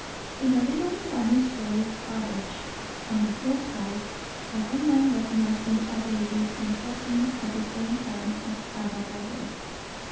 In a little one storied cottage on the hillside a woman was nursing a baby and talking at the same time of Agatha Webb.